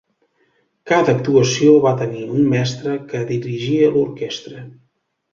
Cada actuació va tenir un mestre que dirigia l'orquestra.